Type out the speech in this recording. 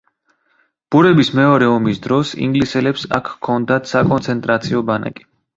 ბურების მეორე ომის დროს ინგლისელებს აქ ჰქონდათ საკონცენტრაციო ბანაკი.